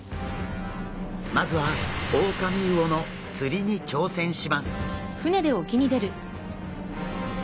まずはオオカミウオの釣りに挑戦します。